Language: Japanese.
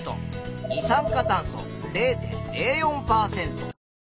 二酸化炭素０．０４％。